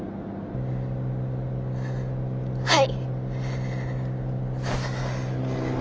はい。